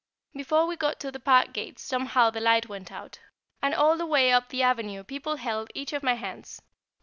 Before we got to the Park gates somehow the light went out, and all the way up the avenue people held each of my hands.